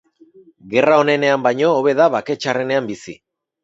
Gerra onenean baino hobe da bake txarrenean bizi.